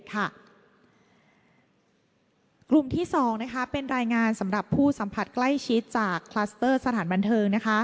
กลุ่มที่๒เป็นรายงานสำหรับผู้สัมผัสใกล้ชิดจากคลัสเตอร์สถานบันเทิง